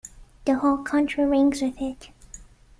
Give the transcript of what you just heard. The whole country rings with it.